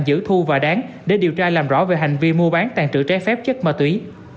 giữ thu và đáng để điều tra làm rõ về hành vi mua bán tàn trữ trái phép chất ma túy